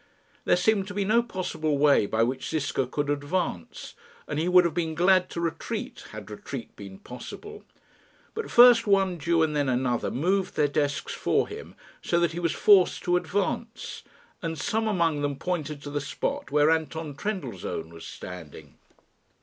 There seemed to be no possible way by which Ziska could advance, and he would have been glad to retreat had retreat been possible. But first one Jew and then another moved their desks for him, so that he was forced to advance, and some among them pointed to the spot where Anton Trendellsohn was standing.